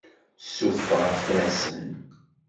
Sufeɣ afrasen.